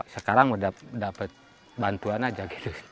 sekarang dapat bantuan saja gitu